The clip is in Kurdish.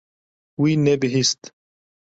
Wî nebihîst.